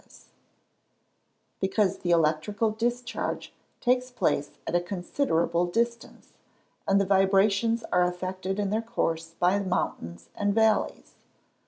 _ Because the electrical discharge takes place at a considerable distance, and the vibrations are affected in their course by mountains and valleys.